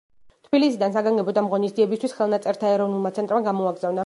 თბილისიდან საგანგებოდ ამ ღონისძიებისთვის ხელნაწერთა ეროვნულმა ცენტრმა გამოაგზავნა.